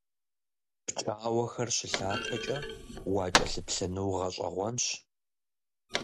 ПкӀауэхэр щылъатэкӀэ уакӀэлъыплъыну гъэщӀэгъуэнщ.